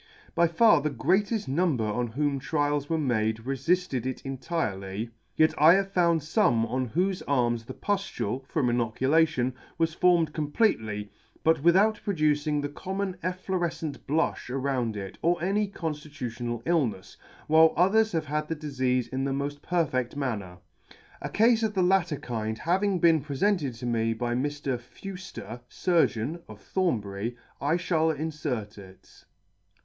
By far the greater number on whom trials were made re filled it entirely; yet I found fome on whofe arms the puflule, from inoculation, was formed completely, but withoutproducing the C 166 ] the common efflorefeent blufli around it, or any conflitutional illnefs, while others have had the difeafe in the mod; perfect manner. A cafe of the latter kind having been preferred to me by Mr. Fewfter, Surgeon, of Thornbury, I fhall inlert it.